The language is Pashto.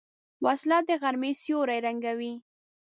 وسله د غرمې سیوری ړنګوي